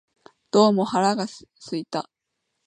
どうも腹が空いた